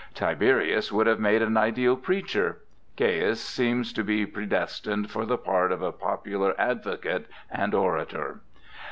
Tiberius would have made an ideal preacher; Caius seemed to be predestined for the part of a popular advocate and orator.